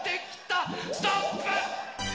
ストップ！